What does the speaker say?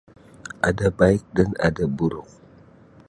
Ada baik dan ada buruk.